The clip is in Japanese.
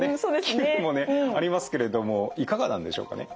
気分もねありますけれどもいかがなんでしょうかね？